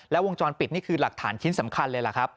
แล้ววงจรปิดนี่คือหลักฐานชิ้นสำคัญเลยล่ะครับ